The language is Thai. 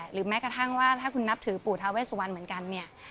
หรือแม้กระทั่งว่าถ้าคุณนับถือปู่ทาเวสวันเหมือนกันเนี่ย